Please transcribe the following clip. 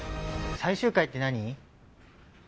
最終回って何？